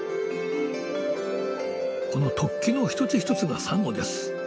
この突起の一つ一つがサンゴです。